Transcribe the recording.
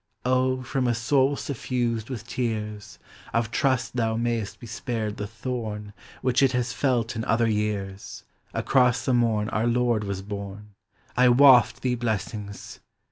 »(), from a soul sun used with tears Of trust thou mayst be spared the thorn Which it has felt in other years,— Across t he morn our Lord was born, I waft thee blessings!